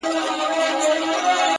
تا د جنگ لويه فلـسفه ماتــه كــړه ـ